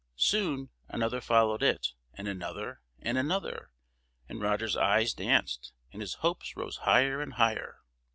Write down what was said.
Soon another followed it, and another, and another, and Roger's eyes danced, and his hopes rose higher and higher.